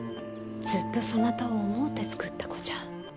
ずっとそなたを思うて作った子じゃ。